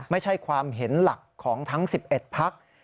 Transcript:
ไม่ใช่ความเห็นหลักของทั้ง๑๑พัก